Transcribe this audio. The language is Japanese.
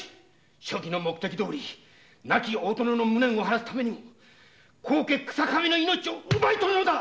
初期の目的どおり亡き大殿の無念を晴らすため高家日下部の命を奪い取るのだ！